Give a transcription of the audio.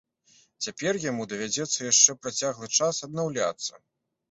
Цяпер яму давядзецца яшчэ працяглы час аднаўляцца.